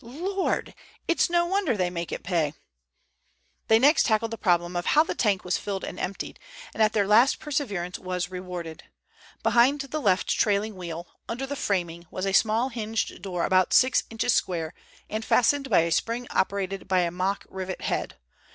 "Lord! It's no wonder they make it pay." They next tackled the problem of how the tank was filled and emptied, and at last their perseverance was rewarded. Behind the left trailing wheel, under the framing, was a small hinged door about six inches square and fastened by a spring operated by a mock rivet head.